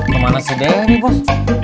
kemana si dewi bos